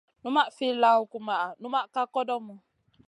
Numaʼ fi lawn kumaʼa numa ka kodomu.